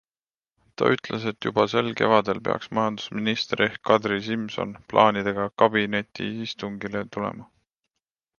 Ta ütles, et juba sel kevadel peaks majandusminister ehk Kadri Simson plaanidega kabinetiistungile tulema.